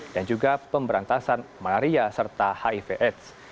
juga pemberantasan malaria serta hiv aids